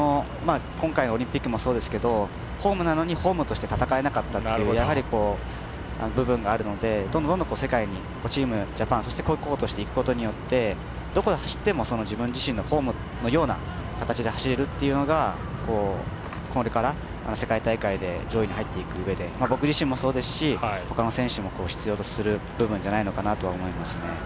今回オリンピックもそうですけどホームなのにホームとして戦えなかった部分があるのでどんどん世界にチームジャパンと鼓舞していくことによってどこを走っても自分自身のホームのような形で走れるというのがこれから世界大会で上位に入っていくうえで僕自身もそうですしほかの選手も必要とする部分じゃないかなと思いますね。